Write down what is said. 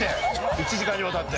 １時間にわたって。